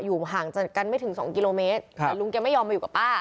ห่างจากกันไม่ถึงสองกิโลเมตรแต่ลุงแกไม่ยอมมาอยู่กับป้า